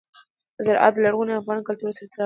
زراعت د لرغوني افغان کلتور سره تړاو لري.